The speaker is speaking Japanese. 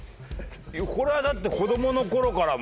これはだって子供の頃からもう。